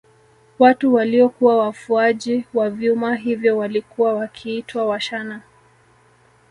Watu waliokuwa wafuaji wa vyuma hivyo walikuwa wakiitwa Washana